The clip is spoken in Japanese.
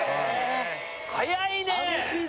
速いねー！